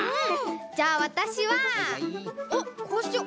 じゃあわたしはこうしよう。